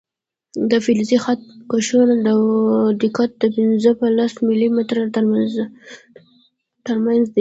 د فلزي خط کشونو دقت د پنځه په لس ملي متره تر منځ دی.